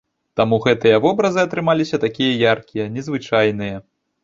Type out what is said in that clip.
Таму гэтыя вобразы атрымаліся такія яркія, незвычайныя.